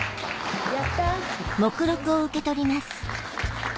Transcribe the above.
やった！